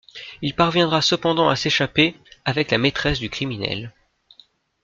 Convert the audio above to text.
Il parviendra cependant à s'échapper, avec la maîtresse du criminel...